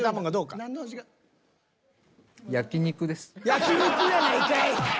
焼肉やないかい！